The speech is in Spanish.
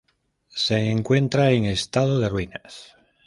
Se encuentra en estado de ruinas.